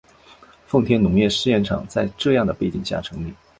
奉天农业试验场在这样的背景下成立。